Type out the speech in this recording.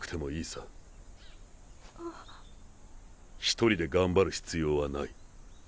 ひとりで頑張る必要はない。